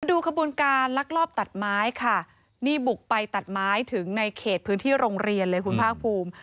ดูขบวนการลักลอบตัดไม้ค่ะนี่บุกไปตัดไม้ถึงในเขตพื้นที่โรงเรียนเลยคุณภาคภูมิ